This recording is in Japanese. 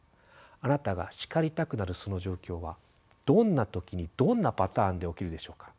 あなたが叱りたくなるその状況はどんな時にどんなパターンで起きるでしょうか？